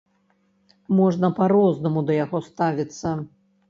Можна па-рознаму да яго ставіцца.